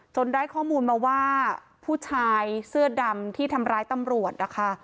ได้ข้อมูลมาว่าผู้ชายเสื้อดำที่ทำร้ายตำรวจนะคะ